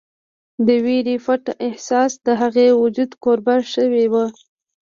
د وېرې پټ احساس د هغې وجود کوربه شوی و